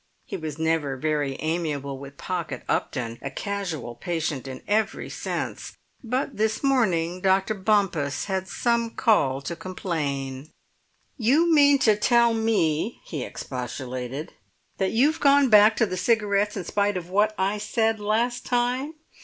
He was never very amiable with Pocket Upton, a casual patient in every sense; but this morning Dr. Bompas had some call to complain. "You mean to tell me," he expostulated, "that you've gone back to the cigarettes in spite of what I said last time?